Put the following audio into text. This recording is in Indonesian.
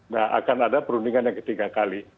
nah akan ada perundingan yang ketiga kali